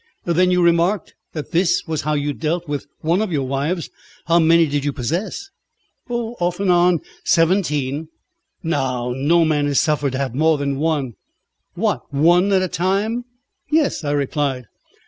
Then you remarked that this was how you dealt with one of your wives. How many did you possess?" "Off and on, seventeen." "Now, no man is suffered to have more than one." "What one at a time?" "Yes," I replied.